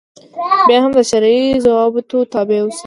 بیا هم د شرعي ضوابطو تابع اوسي.